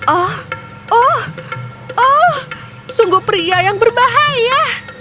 oh oh sungguh pria yang berbahaya